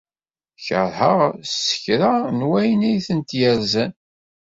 Keṛheɣ s kra n wayen ay tent-yerzan.